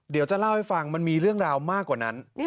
เดี๋ยวจะเล่าให้ฟังมันมีเรื่องราวมากกว่านั้น